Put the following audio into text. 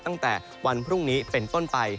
ตั้งแต่วันพรุ่งนี้เป็นต้นไป